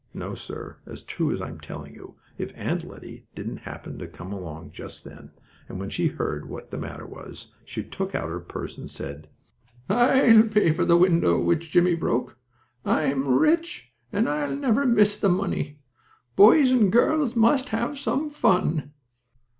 No, sir, as true as I'm telling you, if Aunt Lettie didn't happen along just then, and, when she heard what the matter was, she just took out her purse and said: "I'll pay for the window which Jimmie broke. I am rich, and I'll never miss the money. Boys and girls must have some fun."